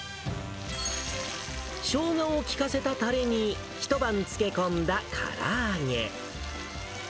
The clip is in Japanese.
ショウガを効かせたたれに一晩漬け込んだから揚げ。